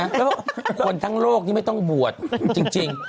แล้วคนทั้งโลกนี้ไม่ต้องบวชจริง